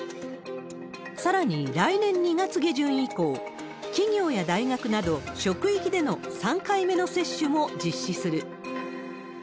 さらに、来年２月下旬以降、企業や大学など職域での３回目の接種も実施する。